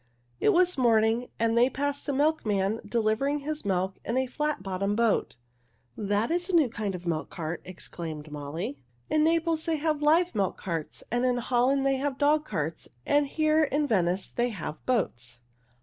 It was morning, and they passed a milk man delivering his milk in a flat bottomed boat. "That is a new kind of milk cart," exclaimed Molly. "In Naples they have live milk carts, and in Holland they have dog carts, and here in Venice they have boats."